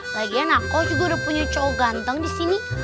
lagian aku juga udah punya cowok ganteng di sini